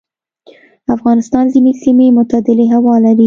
افغانستان ځینې سیمې معتدلې هوا لري.